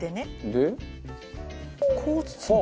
こう包む。